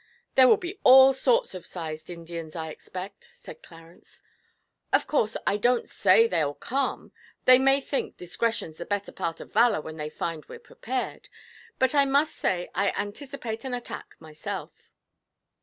'There will be all sorts of sized Indians, I expect,' said Clarence. 'Of course, I don't say they'll come. They may think discretion's the better part of valour when they find we're prepared; but I must say I anticipate an attack myself.'